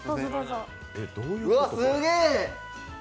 うわっ、すげえ。